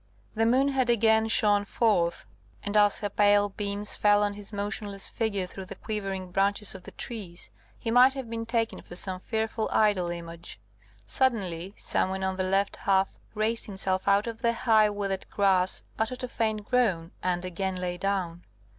The moon had again shone forth; and as her pale beams fell on his motionless figure through the quivering branches of the trees, he might have been taken for some fearful idol image. Suddenly some one on the left half raised himself out of the high withered grass, uttered a faint groan, and again lay down.